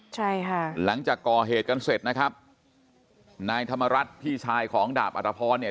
ใช่ค่ะหลังจากก่อเหตุกันเสร็จนะครับนายธรรมรัฐพี่ชายของดาบอัตภพรเนี่ย